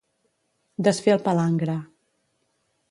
Desfer el palangre.